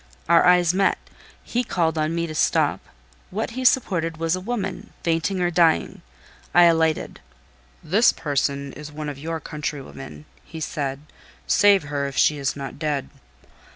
Our eyes met; he called on me to stop: what he supported was a woman, fainting or dying. I alighted. "'This person is one of your countrywomen,' he said: 'save her, if she is not dead.